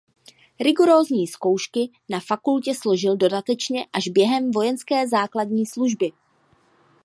Rigorózní zkoušky na fakultě složil dodatečně až během vojenské základní služby.